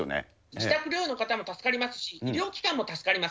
自宅療養の方も助かりますし、医療機関も助かります。